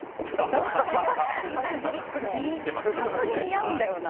本当に似合うんだよな。